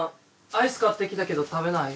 アイス買ってきたけど食べない？